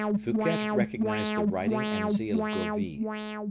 Fouquet recognized the writing and zeal of Gourville.